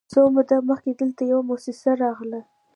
_څه موده مخکې دلته يوه موسسه راغله،